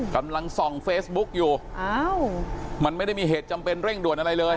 กำลังส่องเฟซบุ๊กอยู่อ้าวมันไม่ได้มีเหตุจำเป็นเร่งด่วนอะไรเลย